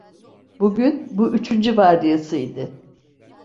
Bugün bu üçüncü vardiyası idi.